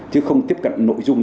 chứ không tiếp cận nội dung